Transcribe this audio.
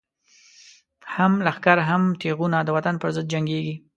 هم لښکر هم یی تیغونه، دوطن پر ضد جنګیږی